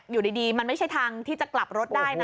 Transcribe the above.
อยู่ดีมันไม่ใช่ทางที่จะกลับรถได้นะ